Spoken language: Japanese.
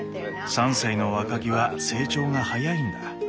３歳の若木は成長が早いんだ。